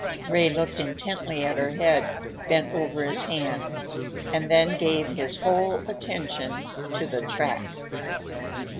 Ray looked intently at her head, bent over his hand, and then gave his whole attention to the track.